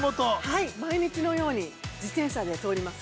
◆はい、毎日のように自転車で通ります。